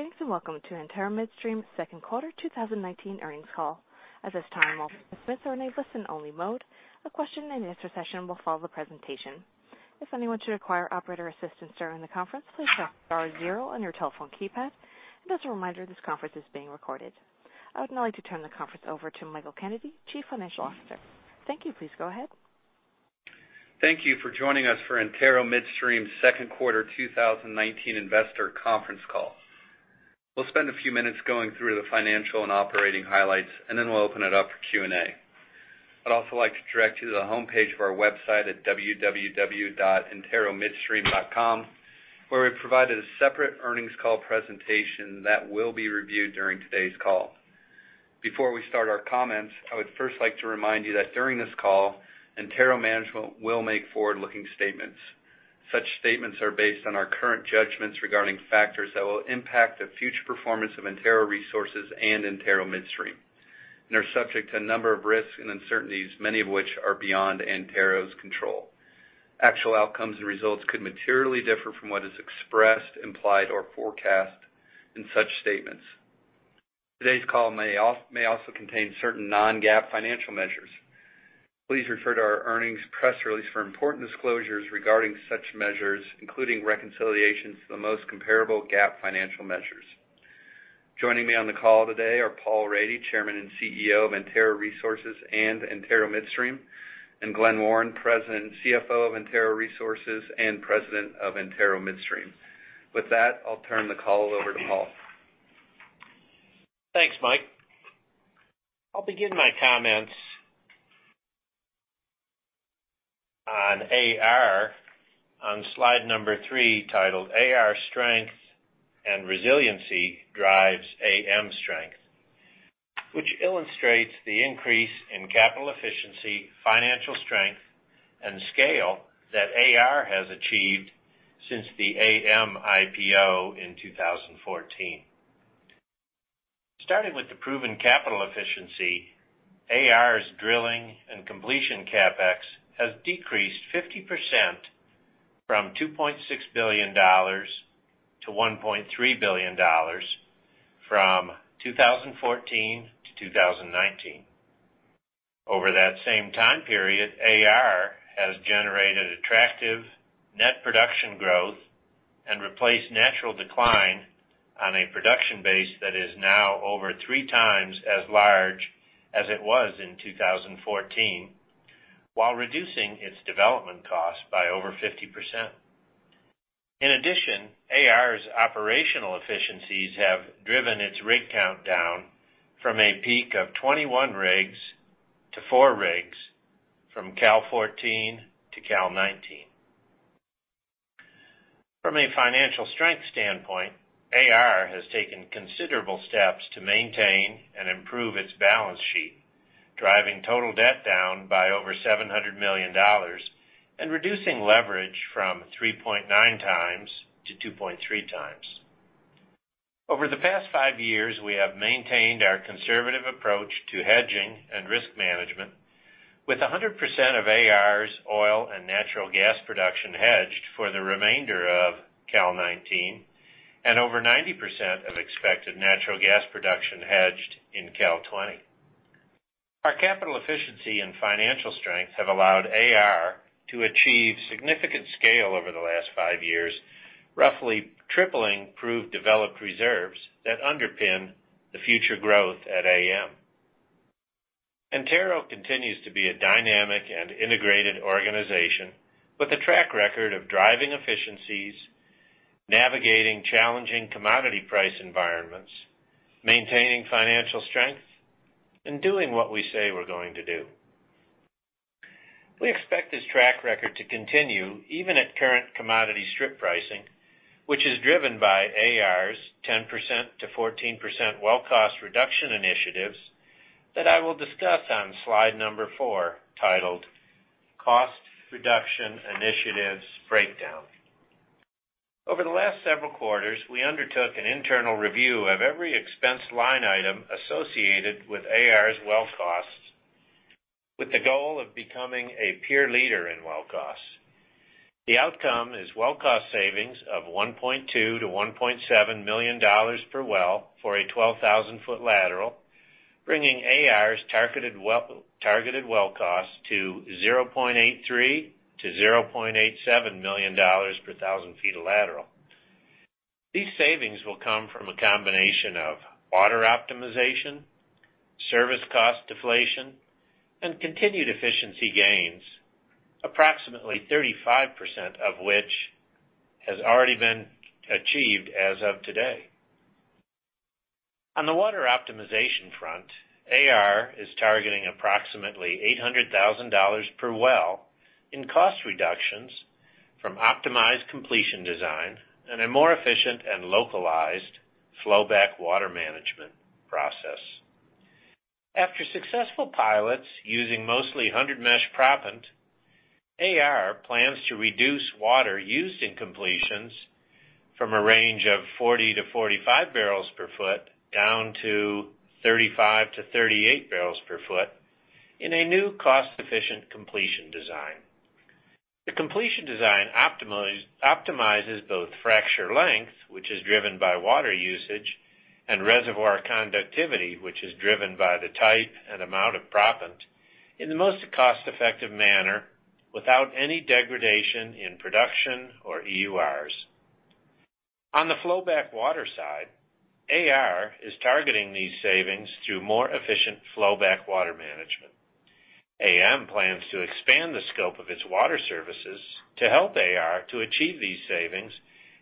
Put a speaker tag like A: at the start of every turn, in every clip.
A: Thanks. Welcome to Antero Midstream second quarter 2019 earnings call. At this time, all participants are in a listen-only mode. A question and answer session will follow the presentation. If anyone should require operator assistance during the conference, please press star zero on your telephone keypad. As a reminder, this conference is being recorded. I would now like to turn the conference over to Michael Kennedy, Chief Financial Officer. Thank you. Please go ahead.
B: Thank you for joining us for Antero Midstream second quarter 2019 investor conference call. We'll spend a few minutes going through the financial and operating highlights, and then we'll open it up for Q&A. I'd also like to direct you to the homepage of our website at www.anteromidstream.com, where we've provided a separate earnings call presentation that will be reviewed during today's call. Before we start our comments, I would first like to remind you that during this call, Antero management will make forward-looking statements. Such statements are based on our current judgments regarding factors that will impact the future performance of Antero Resources and Antero Midstream, and are subject to a number of risks and uncertainties, many of which are beyond Antero's control. Actual outcomes and results could materially differ from what is expressed, implied, or forecast in such statements. Today's call may also contain certain non-GAAP financial measures. Please refer to our earnings press release for important disclosures regarding such measures, including reconciliations to the most comparable GAAP financial measures. Joining me on the call today are Paul Rady, Chairman and CEO of Antero Resources and Antero Midstream, and Glen Warren, President and CFO of Antero Resources and President of Antero Midstream. With that, I'll turn the call over to Paul.
C: Thanks, Mike. I'll begin my comments on AR on slide number three, titled AR Strength and Resiliency Drives AM Strength, which illustrates the increase in capital efficiency, financial strength, and scale that AR has achieved since the AM IPO in 2014. Starting with the proven capital efficiency, AR's drilling and completion CapEx has decreased 50% from $2.6 billion to $1.3 billion from 2014-2019. Over that same time period, AR has generated attractive net production growth and replaced natural decline on a production base that is now over three times as large as it was in 2014, while reducing its development cost by over 50%. In addition, AR's operational efficiencies have driven its rig count down from a peak of 21 rigs to four rigs from Cal '14 to Cal '19. From a financial strength standpoint, AR has taken considerable steps to maintain and improve its balance sheet, driving total debt down by over $700 million and reducing leverage from 3.9 times to 2.3 times. Over the past 5 years, we have maintained our conservative approach to hedging and risk management with 100% of AR's oil and natural gas production hedged for the remainder of Cal-20 and over 90% of expected natural gas production hedged in Cal-20. Our capital efficiency and financial strength have allowed AR to achieve significant scale over the last 5 years, roughly tripling proved developed reserves that underpin the future growth at AM. Antero continues to be a dynamic and integrated organization with a track record of driving efficiencies, navigating challenging commodity price environments, maintaining financial strength, and doing what we say we're going to do. We expect this track record to continue even at current commodity strip pricing, which is driven by AR's 10%-14% well cost reduction initiatives that I will discuss on slide number four, titled Cost Reduction Initiatives Breakdown. Over the last several quarters, we undertook an internal review of every expense line item associated with AR's well costs with the goal of becoming a peer leader in well costs. The outcome is well cost savings of $1.2 million-$1.7 million per well for a 12,000-foot lateral, bringing AR's targeted well cost to $0.83 million-$0.87 million per 1,000 feet of lateral. These savings will come from a combination of water optimization, service cost deflation, and continued efficiency gains, approximately 35% of which has already been achieved as of today. On the water optimization front, AR is targeting approximately $800,000 per well in cost reductions from optimized completion design and a more efficient and localized flowback water management process. After successful pilots using mostly 100-mesh proppant, AR plans to reduce water used in completions from a range of 40 to 45 barrels per foot down to 35 to 38 barrels per foot in a new cost-efficient completion design. Completion design optimizes both fracture length, which is driven by water usage, and reservoir conductivity, which is driven by the type and amount of proppant, in the most cost-effective manner without any degradation in production or EURs. On the flowback water side, AR is targeting these savings through more efficient flowback water management. AM plans to expand the scope of its water services to help AR to achieve these savings.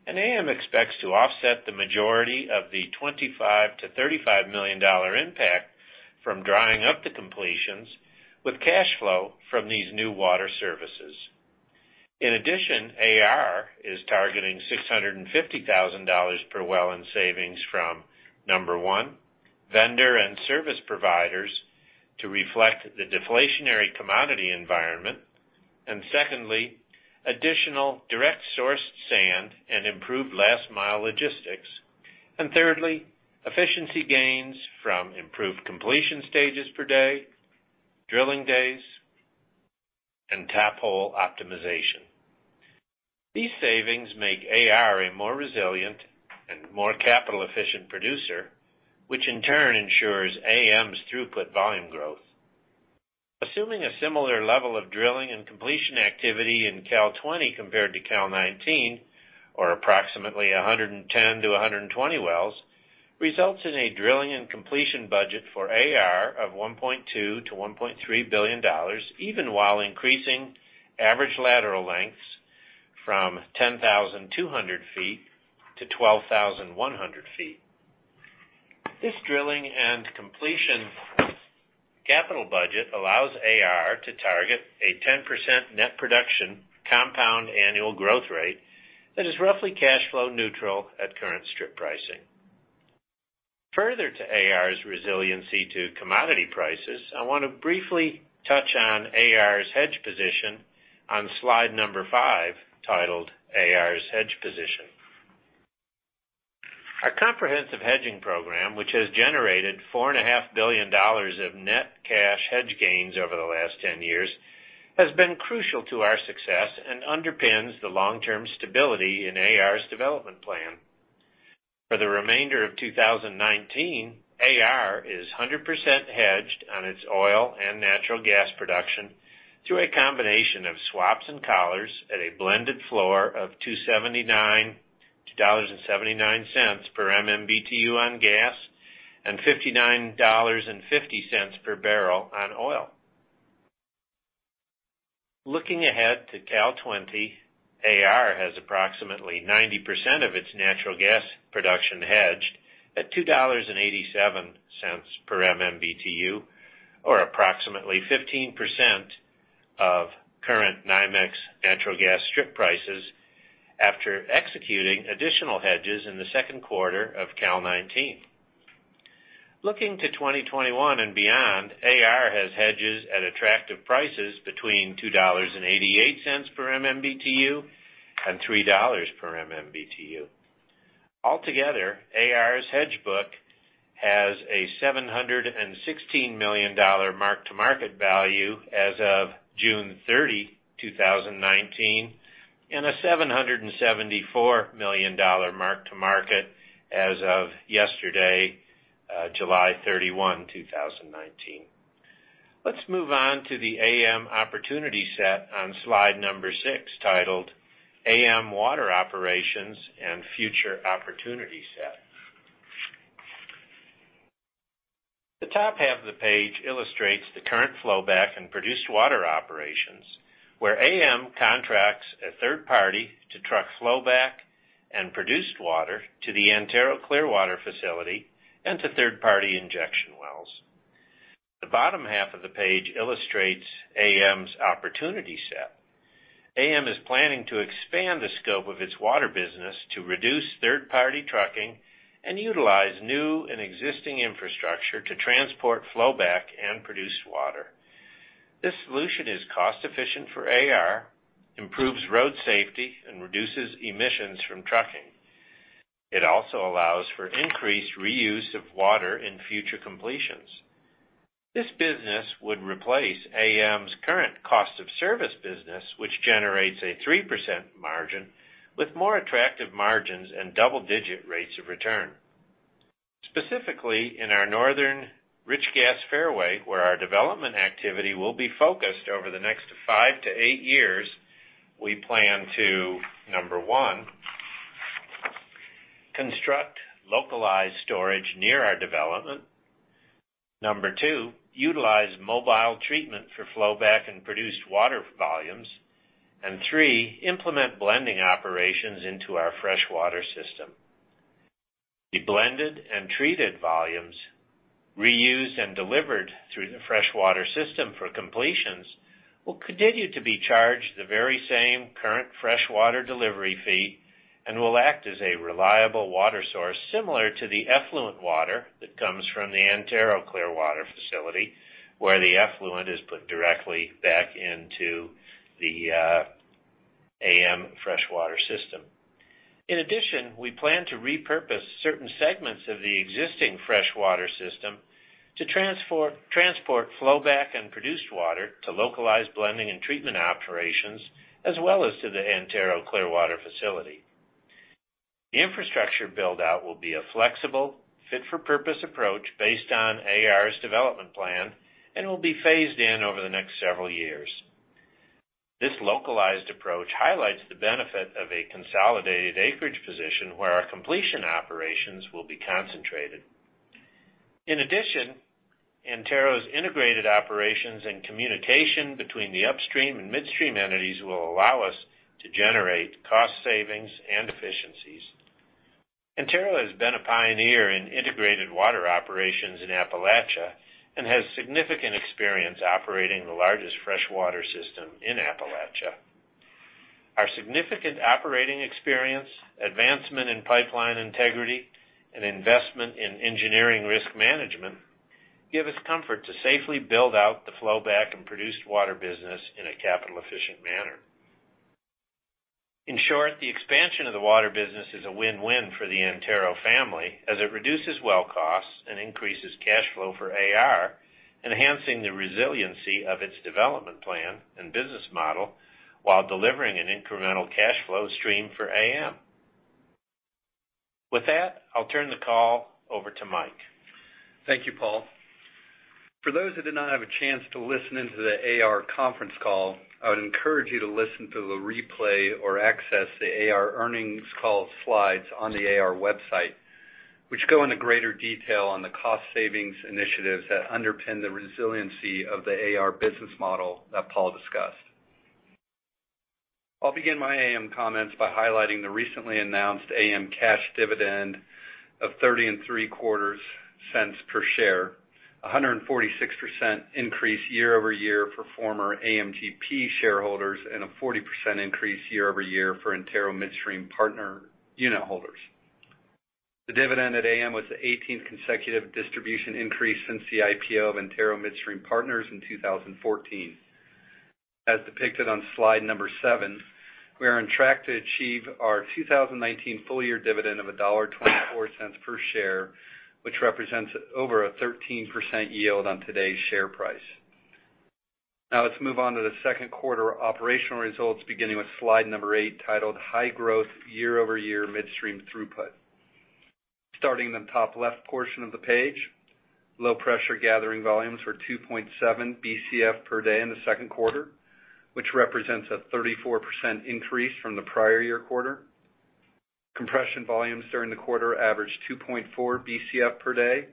C: AM expects to offset the majority of the $25 million-$35 million impact from drying up the completions with cash flow from these new water services. In addition, AR is targeting $650,000 per well in savings from, number one, vendor and service providers to reflect the deflationary commodity environment, and secondly, additional direct sourced sand and improved last-mile logistics, and thirdly, efficiency gains from improved completion stages per day, drilling days, and taphole optimization. These savings make AR a more resilient and more capital-efficient producer, which in turn ensures AM's throughput volume growth. Assuming a similar level of drilling and completion activity in Cal-20 compared to Cal-19, or approximately 110 to 120 wells, results in a drilling and completion budget for AR of $1.2 billion to $1.3 billion, even while increasing average lateral lengths from 10,200 feet to 12,100 feet. This drilling and completion capital budget allows AR to target a 10% net production compound annual growth rate that is roughly cash flow neutral at current strip pricing. Further to AR's resiliency to commodity prices, I want to briefly touch on AR's hedge position on slide number 5, titled AR's Hedge Position. Our comprehensive hedging program, which has generated $4.5 billion of net cash hedge gains over the last 10 years, has been crucial to our success and underpins the long-term stability in AR's development plan. For the remainder of 2019, AR is 100% hedged on its oil and natural gas production through a combination of swaps and collars at a blended floor of $2.79 per MMBtu on gas and $59.50 per barrel on oil. Looking ahead to Cal-20, AR has approximately 90% of its natural gas production hedged at $2.87 per MMBtu, or approximately 15% of current NYMEX natural gas strip prices after executing additional hedges in the second quarter of Cal-19. Looking to 2021 and beyond, AR has hedges at attractive prices between $2.88 per MMBtu and $3 per MMBtu. Altogether, AR's hedge book has a $716 million mark-to-market value as of June 30, 2019, and a $774 million mark-to-market as of yesterday, July 31, 2019. Let's move on to the AM opportunity set on slide number six, titled AM Water Operations and Future Opportunity Set. The top half of the page illustrates the current flowback and produced water operations where AM contracts a third party to truck flowback and produced water to the Antero Clearwater facility and to third-party injection wells. The bottom half of the page illustrates AM's opportunity set. AM is planning to expand the scope of its water business to reduce third-party trucking and utilize new and existing infrastructure to transport flowback and produced water. This solution is cost-efficient for AR, improves road safety, and reduces emissions from trucking. It also allows for increased reuse of water in future completions. This business would replace AM's current cost of service business, which generates a 3% margin, with more attractive margins and double-digit rates of return. Specifically, in our Northern Rich Gas fairway, where our development activity will be focused over the next five to eight years, we plan to, number 1, construct localized storage near our development. Number 2, utilize mobile treatment for flowback and produced water volumes. 3, implement blending operations into our fresh water system. The blended and treated volumes reused and delivered through the fresh water system for completions will continue to be charged the very same current fresh water delivery fee and will act as a reliable water source, similar to the effluent water that comes from the Antero Clearwater facility, where the effluent is put directly back into the AM fresh water system. In addition, we plan to repurpose certain segments of the existing freshwater system to transport flowback and produced water to localized blending and treatment operations, as well as to the Antero Clearwater facility. The infrastructure build-out will be a flexible fit-for-purpose approach based on AR's development plan and will be phased in over the next several years. This localized approach highlights the benefit of a consolidated acreage position where our completion operations will be concentrated. In addition, Antero's integrated operations and communication between the upstream and midstream entities will allow us to generate cost savings and efficiencies. Antero has been a pioneer in integrated water operations in Appalachia and has significant experience operating the largest freshwater system in Appalachia. Our significant operating experience, advancement in pipeline integrity, and investment in engineering risk management give us comfort to safely build out the flowback and produced water business in a capital efficient manner. In short, the expansion of the water business is a win-win for the Antero family as it reduces well costs and increases cash flow for AR, enhancing the resiliency of its development plan and business model while delivering an incremental cash flow stream for AM. With that, I'll turn the call over to Mike.
B: Thank you, Paul. For those who did not have a chance to listen in to the AR conference call, I would encourage you to listen to the replay or access the AR earnings call slides on the AR website, which go into greater detail on the cost savings initiatives that underpin the resiliency of the AR business model that Paul discussed. I'll begin my AM comments by highlighting the recently announced AM cash dividend of $0.3075 per share, 146% increase year-over-year for former AMTP shareholders and a 40% increase year-over-year for Antero Midstream Partners unitholders. The dividend at AM was the 18th consecutive distribution increase since the IPO of Antero Midstream Partners in 2014. As depicted on slide number seven, we are on track to achieve our 2019 full-year dividend of $1.24 per share, which represents over a 13% yield on today's share price. Let's move on to the second quarter operational results, beginning with slide number eight, titled High Growth Year-over-Year Midstream Throughput. Starting in the top left portion of the page, low pressure gathering volumes were 2.7 Bcf per day in the second quarter, which represents a 34% increase from the prior year quarter. Compression volumes during the quarter averaged 2.4 Bcf per day,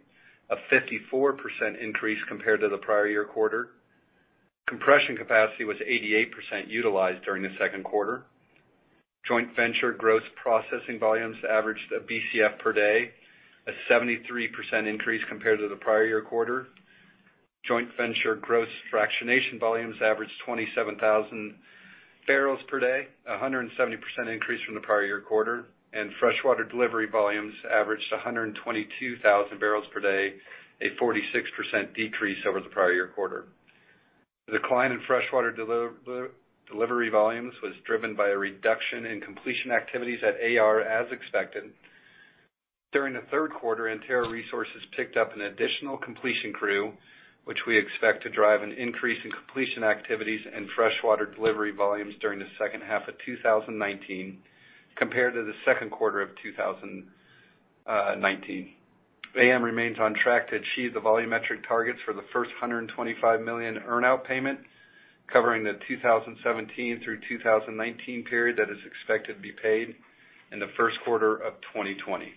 B: a 54% increase compared to the prior year quarter. Compression capacity was 88% utilized during the second quarter. Joint venture gross processing volumes averaged 1 Bcf per day, a 73% increase compared to the prior year quarter. Joint venture gross fractionation volumes averaged 27,000 barrels per day, a 170% increase from the prior year quarter, and freshwater delivery volumes averaged 122,000 barrels per day, a 46% decrease over the prior year quarter. The decline in freshwater delivery volumes was driven by a reduction in completion activities at AR as expected. During the third quarter, Antero Resources picked up an additional completion crew, which we expect to drive an increase in completion activities and freshwater delivery volumes during the second half of 2019 compared to the second quarter of 2019. AM remains on track to achieve the volumetric targets for the first $125 million earn out payment, covering the 2017 through 2019 period that is expected to be paid in the first quarter of 2020.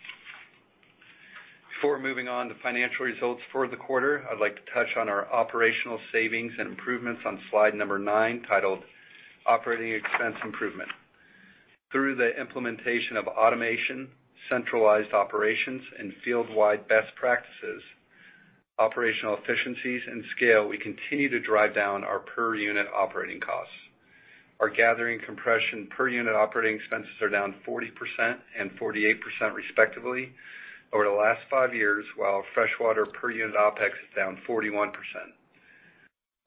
B: Before moving on to financial results for the quarter, I'd like to touch on our operational savings and improvements on slide number nine, titled Operating Expense Improvement. Through the implementation of automation, centralized operations and field-wide best practices, operational efficiencies, and scale, we continue to drive down our per-unit operating costs. Our gathering compression per-unit operating expenses are down 40% and 48% respectively over the last five years, while freshwater per-unit OPEX is down 41%.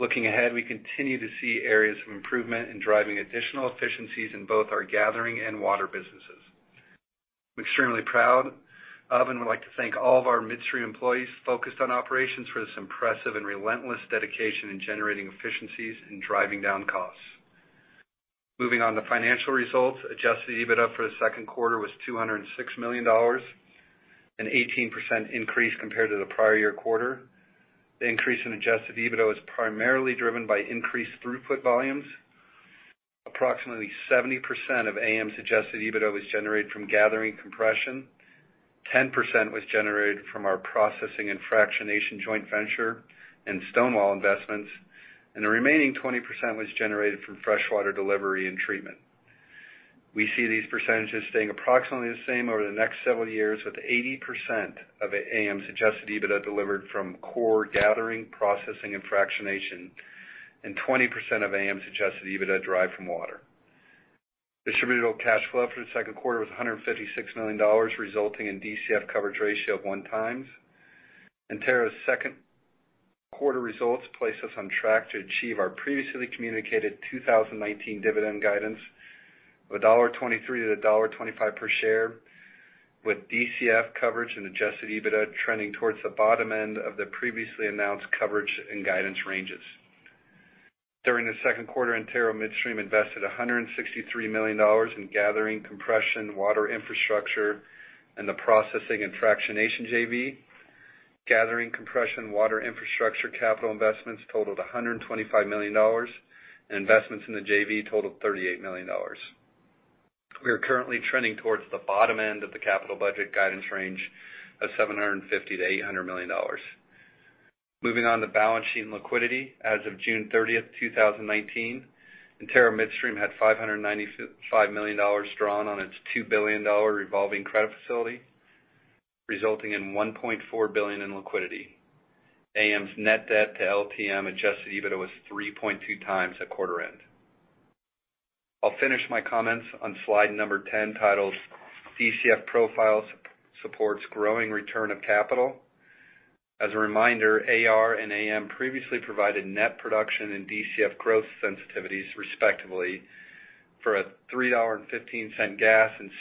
B: Looking ahead, we continue to see areas of improvement in driving additional efficiencies in both our gathering and water businesses. I'm extremely proud of and would like to thank all of our Antero Midstream employees focused on operations for this impressive and relentless dedication in generating efficiencies and driving down costs. Moving on to financial results. Adjusted EBITDA for the second quarter was $206 million, an 18% increase compared to the prior year quarter. The increase in adjusted EBITDA was primarily driven by increased throughput volumes. Approximately 70% of AM's adjusted EBITDA was generated from gathering compression, 10% was generated from our processing and fractionation joint venture and Stonewall investments, and the remaining 20% was generated from freshwater delivery and treatment. We see these percentages staying approximately the same over the next several years, with 80% of AM's adjusted EBITDA delivered from core gathering, processing, and fractionation, and 20% of AM's adjusted EBITDA derived from water. Distributed cash flow for the second quarter was $156 million, resulting in DCF coverage ratio of one times. Antero's second-quarter results place us on track to achieve our previously communicated 2019 dividend guidance of $1.23-$1.25 per share, with DCF coverage and adjusted EBITDA trending towards the bottom end of the previously announced coverage and guidance ranges. During the second quarter, Antero Midstream invested $163 million in gathering compression water infrastructure and the processing and fractionation JV. Gathering compression water infrastructure capital investments totaled $125 million, and investments in the JV totaled $38 million. We are currently trending towards the bottom end of the capital budget guidance range of $750 million-$800 million. Moving on to balance sheet and liquidity. As of June 30, 2019, Antero Midstream had $595 million drawn on its $2 billion revolving credit facility, resulting in $1.4 billion in liquidity. AM's net debt to LTM adjusted EBITDA was 3.2 times at quarter end. I'll finish my comments on slide 10 titled DCF Profile Supports Growing Return of Capital. As a reminder, AR and AM previously provided net production and DCF growth sensitivities, respectively, for a $3.15 gas and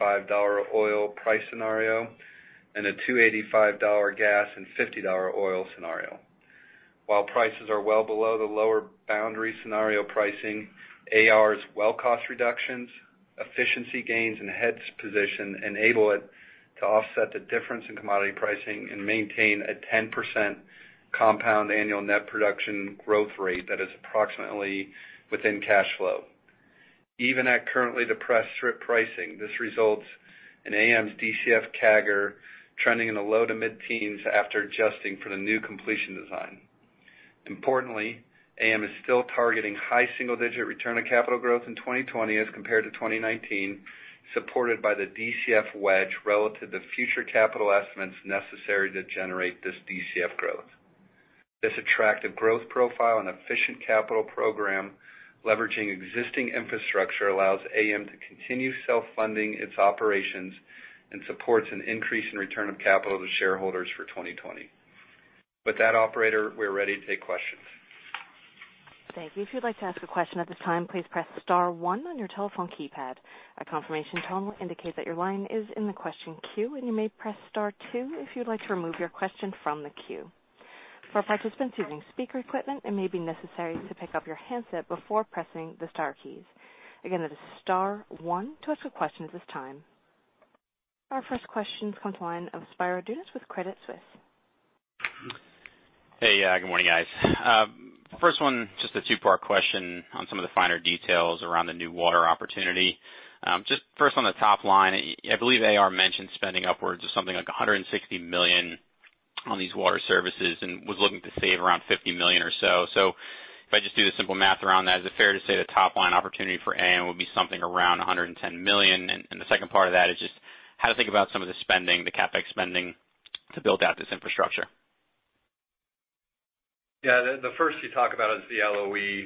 B: $65 oil price scenario, and a $2.85 gas and $50 oil scenario. While prices are well below the lower boundary scenario pricing, AR's well cost reductions, efficiency gains, and hedge position enable it to offset the difference in commodity pricing and maintain a 10% compound annual net production growth rate that is approximately within cash flow. Even at currently depressed strip pricing, this results in AM's DCF CAGR trending in the low to mid-teens after adjusting for the new completion design. Importantly, AM is still targeting high single-digit return of capital growth in 2020 as compared to 2019, supported by the DCF wedge relative to future capital estimates necessary to generate this DCF growth. This attractive growth profile and efficient capital program leveraging existing infrastructure allows AM to continue self-funding its operations and supports an increase in return of capital to shareholders for 2020. With that, operator, we are ready to take questions.
A: Thank you. If you'd like to ask a question at this time, please press star one on your telephone keypad. A confirmation tone will indicate that your line is in the question queue, and you may press star two if you'd like to remove your question from the queue. For participants using speaker equipment, it may be necessary to pick up your handset before pressing the star keys. Again, that is star one to ask a question at this time. Our first question comes to the line of Spiro Dounis with Credit Suisse.
D: Hey, good morning, guys. First one, just a two-part question on some of the finer details around the new water opportunity. Just first on the top line, I believe AR mentioned spending upwards of something like $160 million on these water services and was looking to save around $50 million or so. If I just do the simple math around that, is it fair to say the top-line opportunity for AM will be something around $110 million? The second part of that is just how to think about some of the spending, the CapEx spending, to build out this infrastructure.
B: Yeah. The first you talk about is the LOE,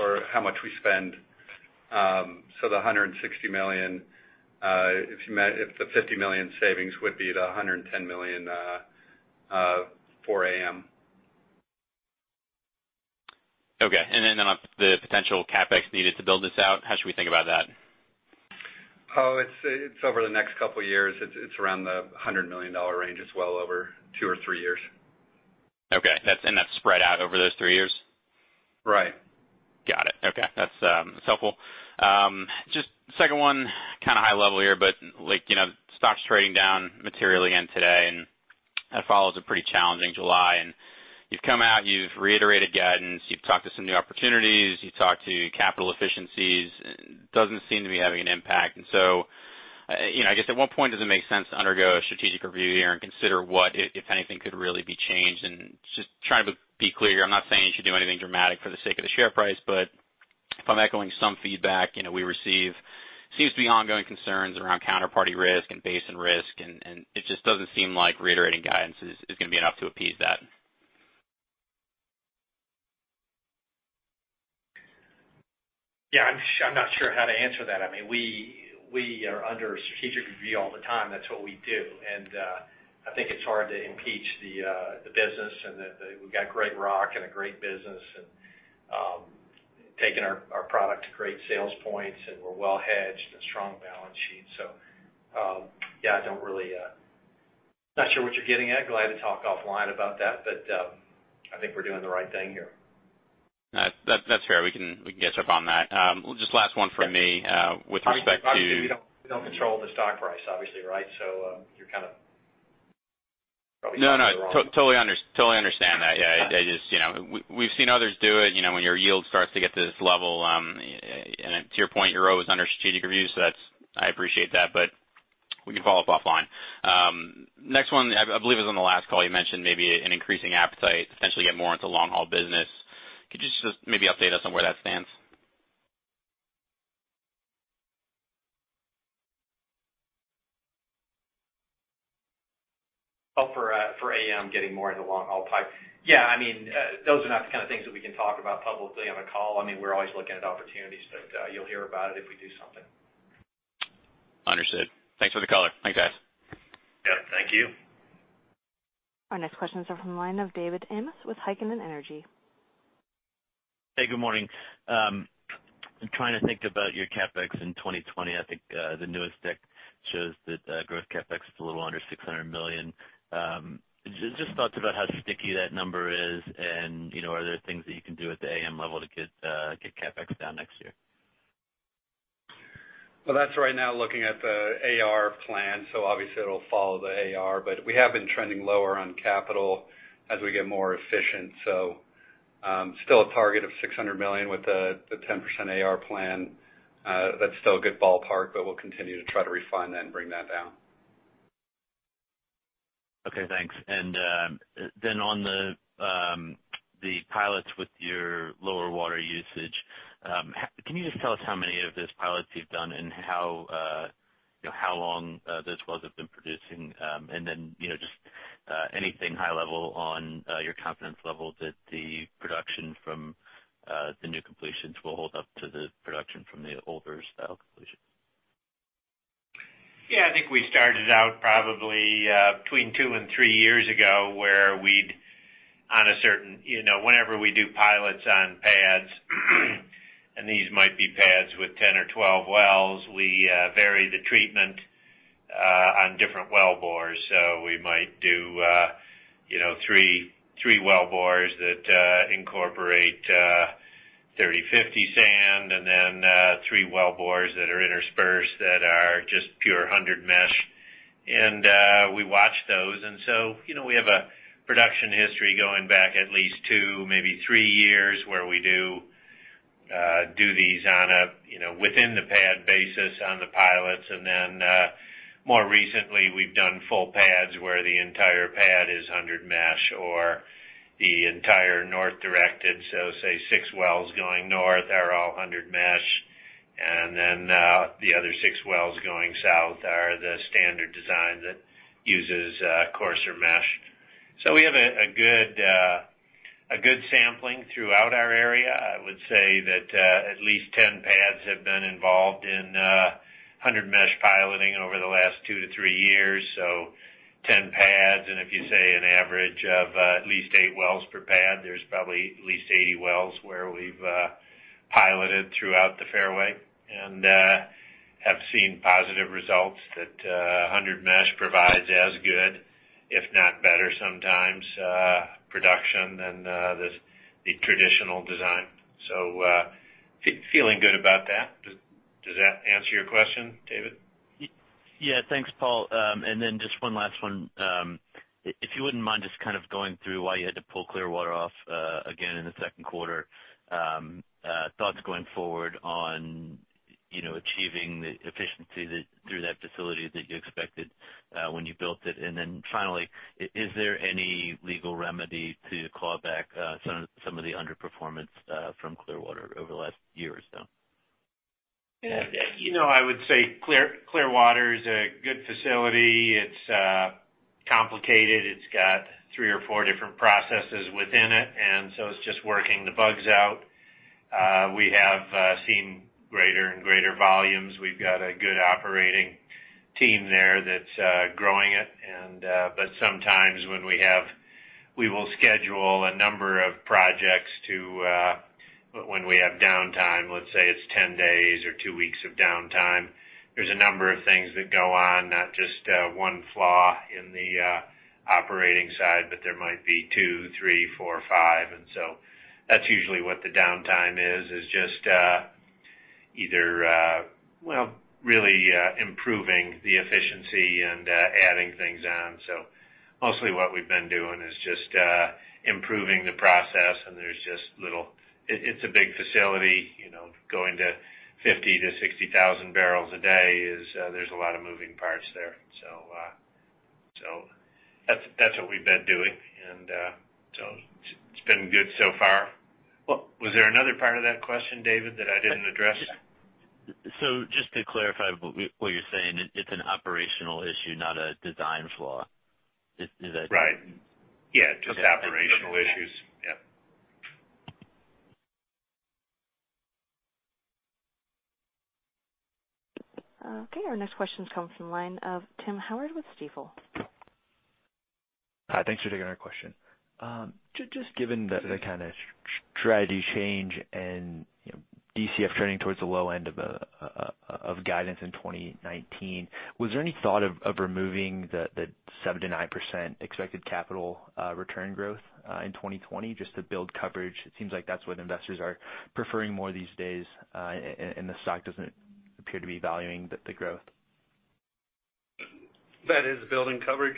B: or how much we spend. The $160 million, if the $50 million savings would be the $110 million for AM.
D: Okay. Then on the potential CapEx needed to build this out, how should we think about that?
B: Oh, it's over the next couple of years. It's around the $100 million range. It's well over two or three years.
D: Okay. That's spread out over those three years?
B: Right.
D: Got it. Okay. That's helpful. Just second one, kind of high level here, but stock's trading down materially again today, that follows a pretty challenging July. You've come out, you've reiterated guidance, you've talked to some new opportunities, you talked to capital efficiencies. Doesn't seem to be having an impact. I guess at what point does it make sense to undergo a strategic review here and consider what, if anything, could really be changed? Just trying to be clear, I'm not saying you should do anything dramatic for the sake of the share price, but if I'm echoing some feedback we receive, seems to be ongoing concerns around counterparty risk and basin risk, it just doesn't seem like reiterating guidance is going to be enough to appease that.
B: Yeah. I'm not sure how to answer that. I mean, we are under strategic review all the time. That's what we do. I think it's hard to impeach the business, and that we've got great rock and a great business, and taking our product to great sales points, and we're well hedged and a strong balance sheet. Yeah, I'm not sure what you're getting at. Glad to talk offline about that, but I think we're doing the right thing here.
D: That's fair. We can get up on that. Just last one from me.
B: We don't control the stock price, obviously, right?
D: No, no. Totally understand that. Yeah. We've seen others do it, when your yield starts to get to this level. To your point, you're always under strategic review, so I appreciate that, but we can follow up offline. Next one, I believe it was on the last call, you mentioned maybe an increasing appetite to potentially get more into long-haul business. Could you just maybe update us on where that stands?
B: For AM getting more into long haul pipe. Yeah, those are not the kind of things that we can talk about publicly on a call. We're always looking at opportunities, you'll hear about it if we do something.
D: Understood. Thanks for the caller.
B: Thanks, guys.
C: Yeah. Thank you.
A: Our next question is from the line of David Heikkinen with Heikkinen Energy Advisors.
E: Hey, good morning. I'm trying to think about your CapEx in 2020. I think the newest deck shows that growth CapEx is a little under $600 million. Just thoughts about how sticky that number is and are there things that you can do at the AM level to get CapEx down next year?
B: Well, that's right now looking at the AR plan. Obviously, it'll follow the AR. We have been trending lower on CapEx as we get more efficient. Still a target of $600 million with the 10% AR plan. That's still a good ballpark. We'll continue to try to refine that and bring that down.
E: Okay, thanks. On the pilots with your lower water usage, can you just tell us how many of those pilots you've done and how long those wells have been producing? Just anything high level on your confidence level that the production from the new completions will hold up to the production from the older style completions.
C: I think we started out probably between two and three years ago, whenever we do pilots on pads, and these might be pads with 10 or 12 wells, we vary the treatment on different well bores. We might do three well bores that incorporate 30-50 sand and then three well bores that are interspersed that are just pure 100-mesh. We watch those. We have a production history going back at least two, maybe three years, where we do these within the pad basis on the pilots. More recently, we've done full pads where the entire pad is 100-mesh or the entire north directed. Say six wells going north are all 100-mesh, the other six wells going south are the standard design that uses coarser mesh. We have a good sampling throughout our area. I would say that at least 10 pads have been involved in 100-mesh piloting over the last two to three years. 10 pads, and if you say an average of at least eight wells per pad, there's probably at least 80 wells where we've piloted throughout the fairway and have seen positive results that 100-mesh provides as good, if not better sometimes, production than the traditional design. Feeling good about that. Does that answer your question, David?
E: Yeah. Thanks, Paul. Just one last one. If you wouldn't mind just kind of going through why you had to pull Clearwater off again in the second quarter. Thoughts going forward on achieving the efficiency through that facility that you expected when you built it. Finally, is there any legal remedy to claw back some of the underperformance from Clearwater over the last year or so?
C: I would say Clearwater is a good facility. It's complicated. It's got three or four different processes within it. It's just working the bugs out. We have seen greater and greater volumes. We've got a good operating team there that's growing it. Sometimes we will schedule a number of projects when we have downtime. Let's say it's 10 days or two weeks of downtime. There's a number of things that go on, not just one flaw in the operating side, but there might be two, three, four, five. That's usually what the downtime is. It's just either really improving the efficiency and adding things on. Mostly what we've been doing is just improving the process. It's a big facility, going to 50 to 60,000 barrels a day, there's a lot of moving parts there. That's what we've been doing, and it's been good so far. Was there another part of that question, David, that I didn't address?
E: Just to clarify what you're saying, it's an operational issue, not a design flaw. Is that?
C: Right. Yeah, just operational issues. Yeah.
A: Okay. Our next question comes from the line of Tim Howard with Stifel.
F: Thanks for taking our question. Just given the kind of strategy change and DCF turning towards the low end of guidance in 2019, was there any thought of removing the 7%-9% expected capital return growth in 2020 just to build coverage? It seems like that's what investors are preferring more these days, and the stock doesn't appear to be valuing the growth.
B: That is building coverage.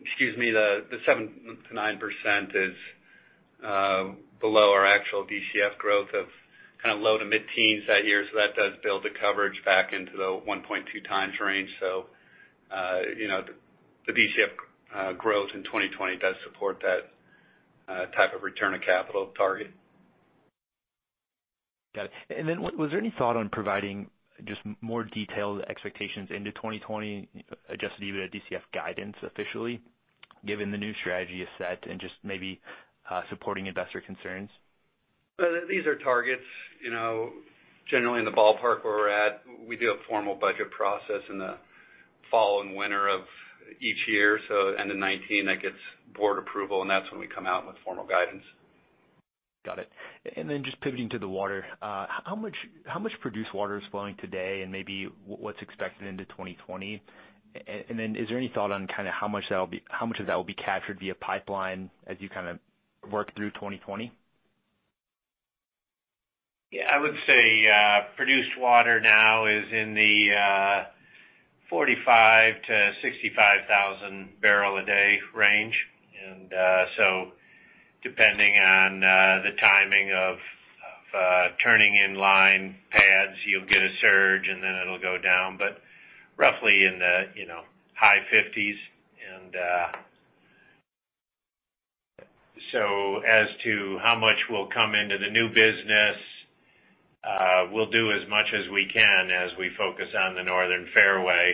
B: Excuse me. The 7%-9% is below our actual DCF growth of low to mid-teens that year. That does build the coverage back into the 1.2 times range. The DCF growth in 2020 does support that type of return of capital target.
F: Got it. Was there any thought on providing just more detailed expectations into 2020 adjusted EBITDA DCF guidance officially, given the new strategy is set and just maybe supporting investor concerns?
B: These are targets. Generally in the ballpark where we're at, we do a formal budget process in the fall and winter of each year. End of 2019, that gets Board approval, and that's when we come out with formal guidance.
F: Got it. Just pivoting to the water. How much produced water is flowing today, and maybe what's expected into 2020? Is there any thought on how much of that will be captured via pipeline as you work through 2020?
C: Yeah, I would say produced water now is in the 45,000-65,000 barrels a day range. Depending on the timing of turning in line pads, you'll get a surge and then it'll go down. Roughly in the high 50s. As to how much will come into the new business, we'll do as much as we can as we focus on the Northern Fairway.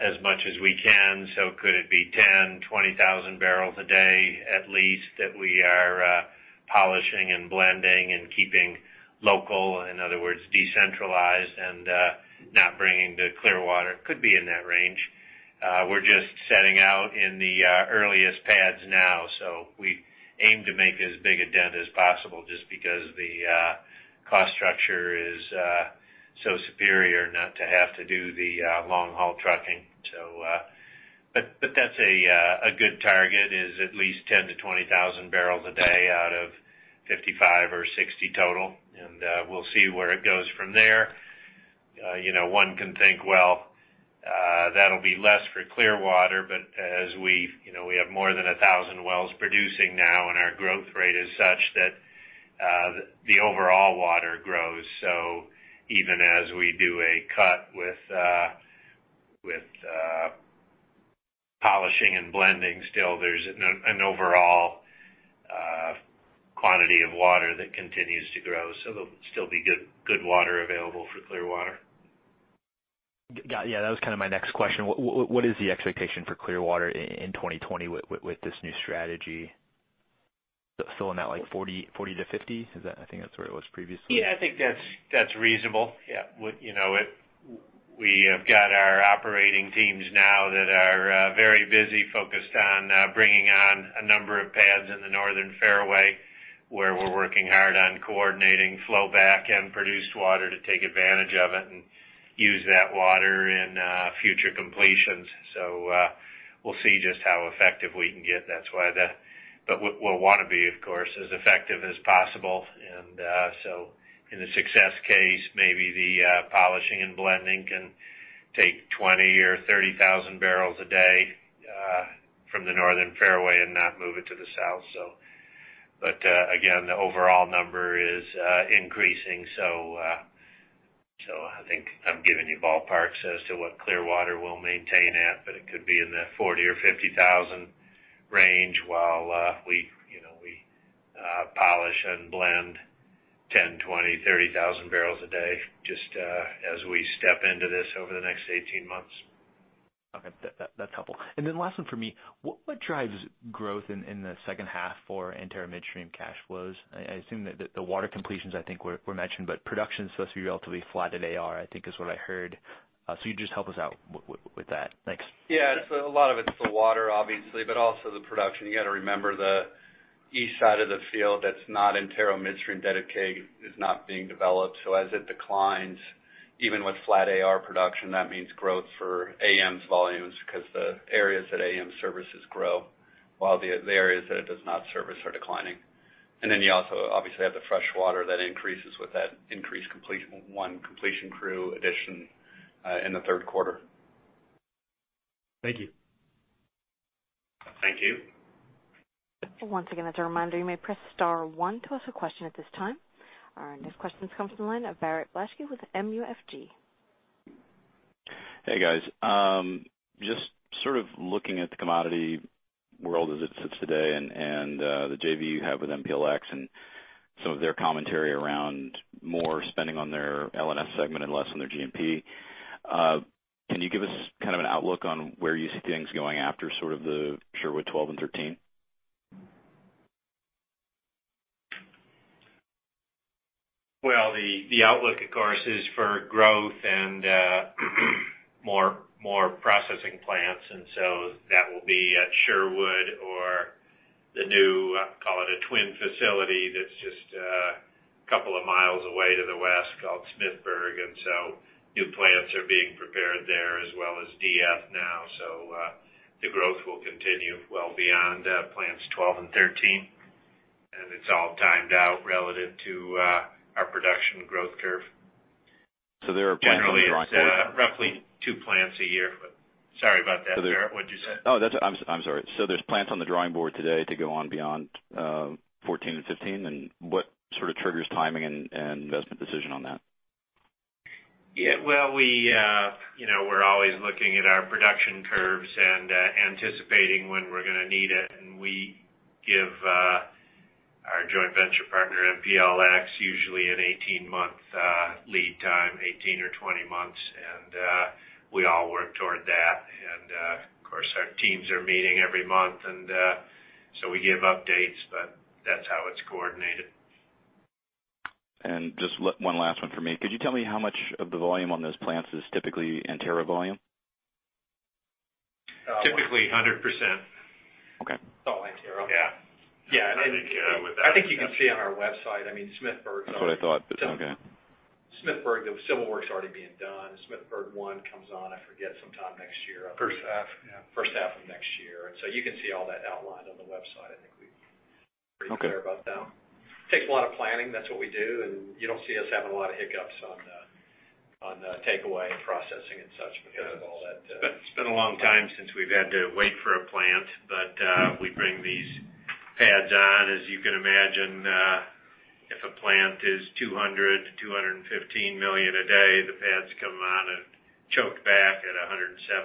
C: As much as we can, so could it be 10,000-20,000 barrels a day at least that we are polishing and blending and keeping local, in other words, decentralized and not bringing the Antero Clearwater. Could be in that range. We're just setting out in the earliest pads now, so we aim to make as big a dent as possible just because the cost structure is so superior not to have to do the long-haul trucking. That's a good target is at least 10,000-20,000 barrels a day out of 55,000 or 60,000 total. We'll see where it goes from there. One can think, well, that'll be less for Clearwater, but as we have more than 1,000 wells producing now, and our growth rate is such that the overall water grows. Even as we do a cut with polishing and blending, still there's an overall quantity of water that continues to grow. There'll still be good water available for Clearwater.
F: Yeah, that was my next question. What is the expectation for Antero Clearwater in 2020 with this new strategy? Filling that 40 to 50? I think that's where it was previously.
C: Yeah, I think that's reasonable. Yeah. We have got our operating teams now that are very busy focused on bringing on a number of pads in the Northern Fairway, where we're working hard on coordinating flow back and produced water to take advantage of it and use that water in future completions. We'll see just how effective we can get. We'll want to be, of course, as effective as possible. In the success case, maybe the polishing and blending can take 20,000 or 30,000 barrels a day from the Northern Fairway and not move it to the south. Again, the overall number is increasing. I think I'm giving you ballparks as to what Antero Clearwater we'll maintain at, but it could be in the 40,000 or 50,000 range while we polish and blend 10, 20, 30,000 barrels a day just as we step into this over the next 18 months.
F: Okay. That's helpful. Last one for me. What drives growth in the second half for Antero Midstream cash flows? I assume that the water completions, I think, were mentioned, but production is supposed to be relatively flat at AR, I think is what I heard. You just help us out with that. Thanks.
B: Yeah. A lot of it's the water, obviously, but also the production. You got to remember the east side of the field that's not Antero Midstream dedicated is not being developed. As it declines, even with flat AR production, that means growth for AM's volumes because the areas that AM services grow while the areas that it does not service are declining. Then you also obviously have the fresh water that increases with that increased one completion crew addition in the third quarter.
F: Thank you.
C: Thank you.
A: Once again, as a reminder, you may press star one to ask a question at this time. Our next question comes from the line of Barrett Blaschke with MUFG.
G: Hey, guys. Just looking at the commodity world as it sits today and the JV you have with MPLX and some of their commentary around more spending on their L&S segment and less on their G&P. Can you give us an outlook on where you see things going after the Sherwood 12 and 13?
C: Well, the outlook, of course, is for growth and more processing plants, and so that will be at Sherwood or the new, call it a twin facility that's just a couple of miles away to the west called Smithburg. New plants are being prepared there as well as DF now. The growth will continue well beyond plants 12 and 13. It's all timed out relative to our production growth curve.
G: There are plants on the drawing board.
C: Generally, it's roughly two plants a year. Sorry about that, Barrett. What'd you say?
G: Oh, I'm sorry. There's plants on the drawing board today to go on beyond 14 and 15, and what sort of triggers timing and investment decision on that?
C: Yeah. Well, we're always looking at our production curves and anticipating when we're going to need it, and we give our joint venture partner, MPLX, usually an 18-month lead time, 18 or 20 months. We all work toward that and of course, our teams are meeting every month, and so we give updates, but that's how it's coordinated.
G: Just one last one from me. Could you tell me how much of the volume on those plants is typically Antero volume?
C: Typically 100%.
G: Okay.
H: It's all Antero.
C: Yeah.
H: Yeah. I think you can see on our website, I mean, Smithburg.
G: That's what I thought. Okay.
H: Smithburg, the civil work's already being done. Smithburg one comes on, I forget, sometime next year.
C: First half, yeah.
H: First half of next year. You can see all that outlined on the website. I think we're pretty clear about that.
G: Okay.
H: Takes a lot of planning. That's what we do, and you don't see us having a lot of hiccups on the takeaway and processing and such because of all that. It's been a long time since we've had to wait for a plant. We bring these pads on. As you can imagine, if a plant is 200 million to 215 million a day, the pads come on and choke back at 175,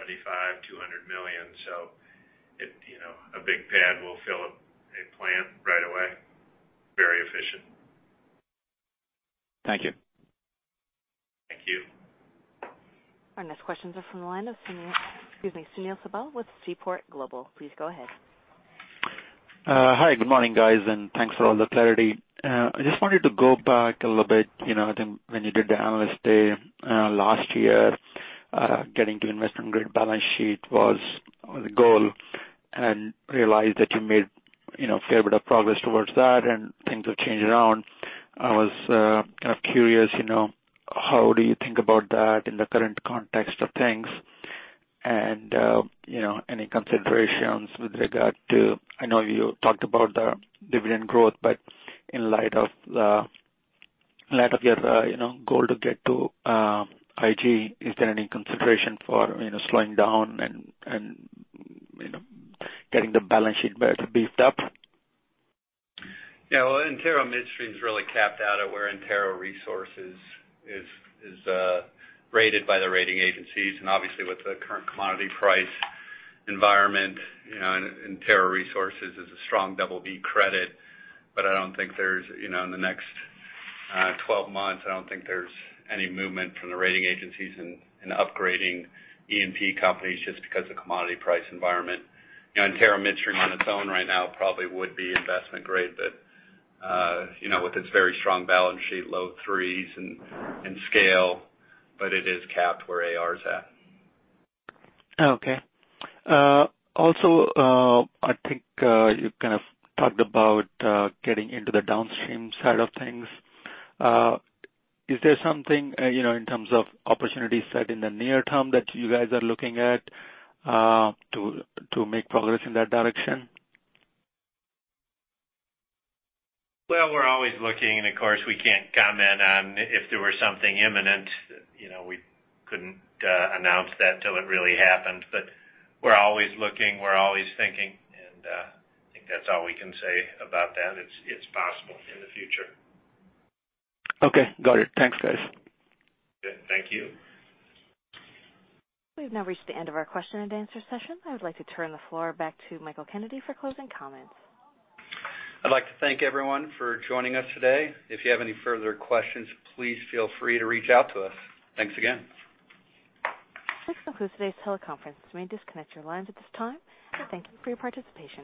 H: 200 million. A big pad will fill a plant right away, very efficient.
G: Thank you.
H: Thank you.
A: Our next questions are from the line of Sunil, excuse me, Sunil Sibal with Seaport Global. Please go ahead.
I: Hi. Good morning, guys. Thanks for all the clarity. I just wanted to go back a little bit. I think when you did the Analyst Day last year, getting to investment-grade balance sheet was the goal. Realized that you made a fair bit of progress towards that and things have changed around. I was kind of curious, how do you think about that in the current context of things and any considerations? I know you talked about the dividend growth, in light of your goal to get to IG, is there any consideration for slowing down and getting the balance sheet better beefed up?
C: Yeah. Well, Antero Midstream's really capped out at where Antero Resources is rated by the rating agencies. Obviously, with the current commodity price environment, Antero Resources is a strong BB credit. I don't think there's, in the next 12 months, I don't think there's any movement from the rating agencies in upgrading E&P companies just because of commodity price environment. Antero Midstream on its own right now probably would be investment-grade, with its very strong balance sheet, low threes, and scale. It is capped where AR is at.
I: I think you kind of talked about getting into the downstream side of things. Is there something in terms of opportunities set in the near term that you guys are looking at to make progress in that direction?
C: Well, we're always looking. Of course, we can't comment on if there were something imminent. We couldn't announce that till it really happens. We're always looking, we're always thinking, and I think that's all we can say about that. It's possible in the future.
I: Okay, got it. Thanks, guys.
C: Thank you.
A: We've now reached the end of our question and answer session. I would like to turn the floor back to Michael Kennedy for closing comments.
B: I'd like to thank everyone for joining us today. If you have any further questions, please feel free to reach out to us. Thanks again.
A: This concludes today's teleconference. You may disconnect your lines at this time. Thank you for your participation.